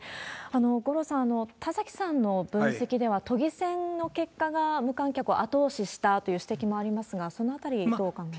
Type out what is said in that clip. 五郎さん、田崎さんの分析では、都議選の結果が無観客を後押ししたという指摘もありますが、そのあたり、どうお考えですか？